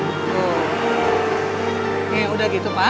oke udah gitu pak